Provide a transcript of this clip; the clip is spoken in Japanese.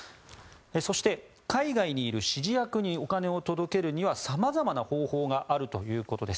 そして、海外にいる指示役にお金を届けるには様々な方法があるということです。